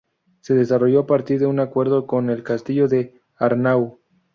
Se desarrolló a partir de un acuerdo con el castillo de Arnau.